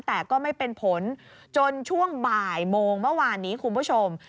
แต่ก็ไม่เป็นผลจนช่วงบ่ายโมงเมื่อวานนี้คุณผู้ชม